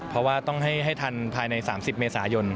เพราะว่าต้องให้ทันภายใน๓๐เมษายน